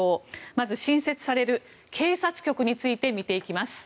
まず、新設される警察局について見ていきます。